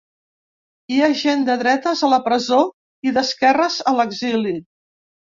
Hi ha gent de dretes a la presó i d'esquerres a l'exili.